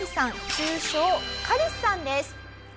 通称カリスさんです。